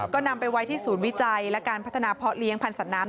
ก็นำไปไว้ที่ศูนย์วิจัยและการพัฒนาเพาะเลี้ยงพันธ์สัตว์น้ำ